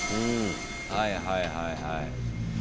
はいはいはいはい。